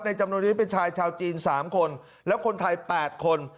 จำนวนนี้เป็นชายชาวจีน๓คนแล้วคนไทย๘คน